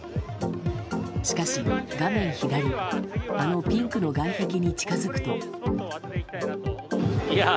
しかし画面左あのピンクの外壁に近づくと。